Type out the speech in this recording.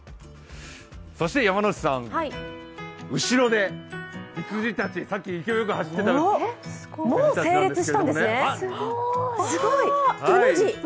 そして山内さん、後ろで羊たち、さっき勢いよく走っていた羊たちなんですが。